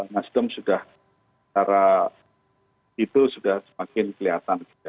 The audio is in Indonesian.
nasdem sudah secara itu sudah semakin kelihatan gitu ya